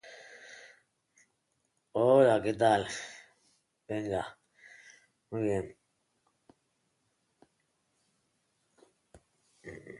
Lo mismo ocurre con Atlas y Yupanqui, clubes que tampoco jugaron en otra división.